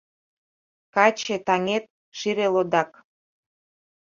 Каче-таҥет - шире-лодак.